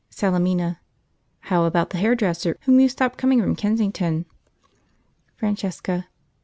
Salemina. "How about the hairdresser whom you stopped coming from Kensington?" Francesca.